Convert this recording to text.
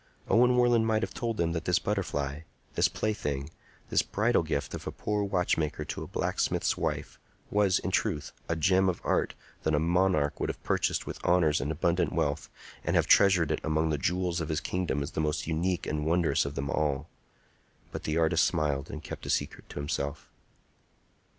Owen Warland might have told them that this butterfly, this plaything, this bridal gift of a poor watchmaker to a blacksmith's wife, was, in truth, a gem of art that a monarch would have purchased with honors and abundant wealth, and have treasured it among the jewels of his kingdom as the most unique and wondrous of them all. But the artist smiled and kept the secret to himself.